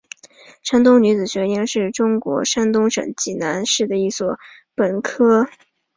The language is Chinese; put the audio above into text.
山东女子学院是中国山东省济南市的一所本科层次全日制公办高等院校。